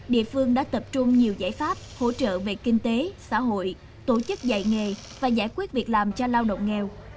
địa phương đã tập trung nhiều giải pháp hỗ trợ về kinh tế xã hội tổ chức dạy nghề và giải quyết việc làm cho lao động nghèo